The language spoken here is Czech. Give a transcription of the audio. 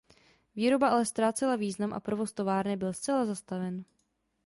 Výroba ale ztrácela význam a provoz továrny byl zcela zastaven.